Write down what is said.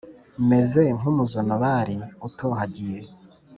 meze nk’umuzonobari utohagiye,